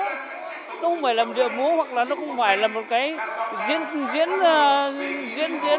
nó không phải là điều múa hoặc là nó không phải là một cái diễn diễn diễn